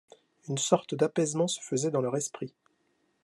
Une sorte d’apaisement se faisait dans leur esprit.